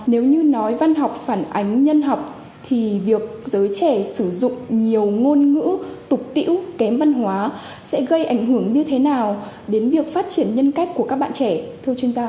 nếu như nói văn học phản ánh nhân học thì việc giới trẻ sử dụng nhiều ngôn ngữ tục tiễu kém văn hóa sẽ gây ảnh hưởng như thế nào đến việc phát triển nhân cách của các bạn trẻ thưa chuyên gia